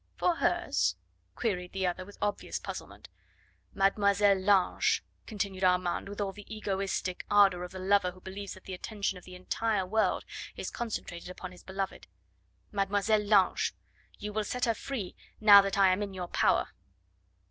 "For hers?" queried the other with obvious puzzlement. "Mademoiselle Lange," continued Armand with all the egoistic ardour of the lover who believes that the attention of the entire world is concentrated upon his beloved. "Mademoiselle Lange! You will set her free now that I am in your power."